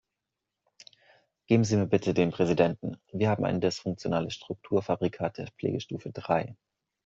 Geben Sie mir bitte den Präsidenten, wir haben ein dysfunktionales Strukturfabrikat der Pflegestufe drei.